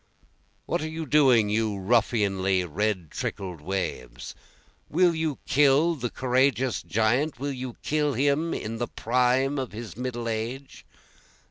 What are you doing you ruffianly red trickled waves? Will you kill the courageous giant? will you kill him in the prime of his middle age?